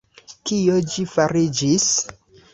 Kio ĝi fariĝis?